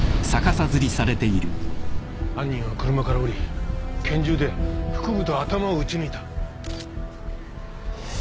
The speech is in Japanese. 犯人は車から降り拳銃で腹部と頭を撃ち抜いた。